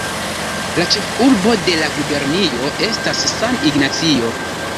La ĉefurbo de la gubernio estas San Ignacio.